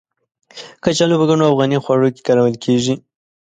کچالو په ګڼو افغاني خواړو کې کارول کېږي.